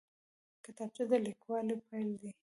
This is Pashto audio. کتابچه د لیکوالۍ پیل دی